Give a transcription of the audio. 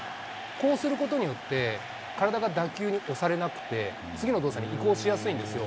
こうすることによって、体が打球に押されなくて、次の動作に移行しやすいんですよ。